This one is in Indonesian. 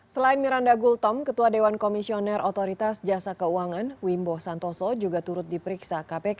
selain miranda gultom ketua dewan komisioner otoritas jasa keuangan wimbo santoso juga turut diperiksa kpk